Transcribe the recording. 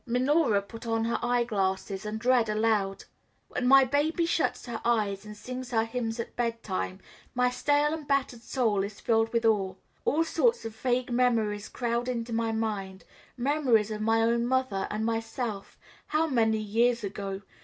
Minora put on her eye glasses and read aloud: "When my baby shuts her eyes and sings her hymns at bed time my stale and battered soul is filled with awe. All sorts of vague memories crowd into my mind memories of my own mother and myself how many years ago!